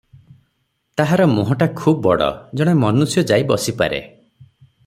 ତାହାର ମୁହଁଟା ଖୁବ୍ ବଡ଼, ଜଣେ ମନୁଷ୍ୟ ଯାଇ ବସିପାରେ ।